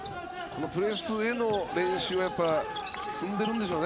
プレスへの練習は積んでるんでしょうね。